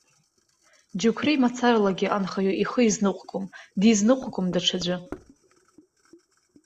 Џьықәреи мацаралагьы анхаҩы ихы изныҟәгом, дизныҟәгом даҽаӡәы.